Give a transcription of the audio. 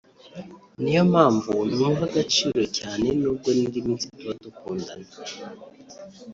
ni yo mpamvu nywuha agaciro cyane nubwo n’indi minsi tuba dukandana